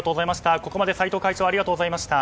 ここまで斎藤会長ありがとうございました。